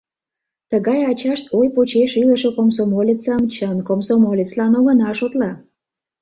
Тыгай ачашт ой почеш илыше комсомолецым чын комсомолецлан огына шотло.